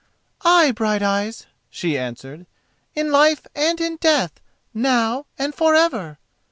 "Ay, Brighteyes," she answered, "in life and in death, now and for ever!"